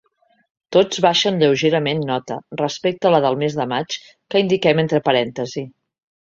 Tots baixen lleugerament nota respecte la del mes de maig, que indiquem entre parèntesi.